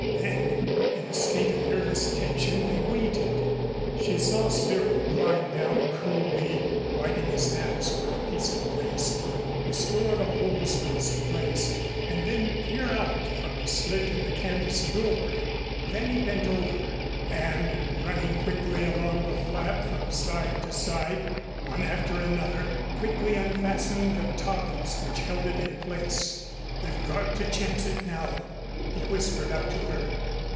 Then, in a state of nervous tension, they waited. She saw Cyril climb down, coolly wiping his hands with a piece of waste, restore the hose to its place, and then peer out from a slit in the canvas door. Then he bent over, and running quickly along the flap from side to side, one after another quickly unfastened the toggles which held it in place. "We've got to chance it now," he whispered up to her.